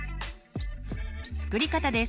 作り方です。